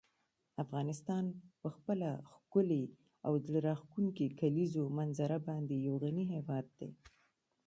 افغانستان په خپله ښکلې او زړه راښکونکې کلیزو منظره باندې یو غني هېواد دی.